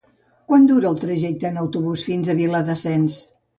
Quant dura el trajecte en autobús fins a Viladasens?